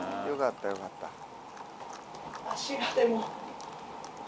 よかったよかった。